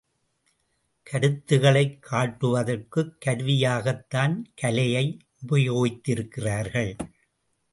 கருத்துக்களை காட்டுவதற்குக் கருவியாகத்தான் கலையை உபயோகித்திருக்கிறார்கள்.